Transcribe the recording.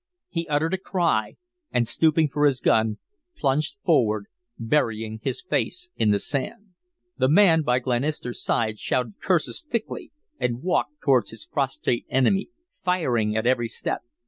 He uttered a cry and, stooping for his gun, plunged forward, burying his face in the sand. The man by Glenister's side shouted curses thickly, and walked towards his prostrate enemy, firing at every step.